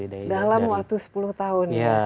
dalam waktu sepuluh tahun ya